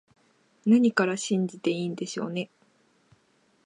何から信じていいんでしょうね